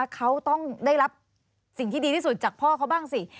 เขาต้องได้รับสิ่งที่ดีที่สุดจากพ่อเขาบ้างสิ